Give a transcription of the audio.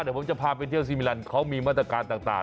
เดี๋ยวผมจะพาไปเที่ยวซีมิลันเขามีมาตรการต่าง